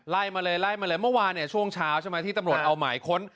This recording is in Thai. ไล่มาเลยไล่มาเลยเมื่อวานเนี่ยช่วงเช้าใช่ไหมที่ตำรวจเอาหมายค้น